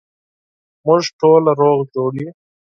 موږ ټوله روغ جوړ یو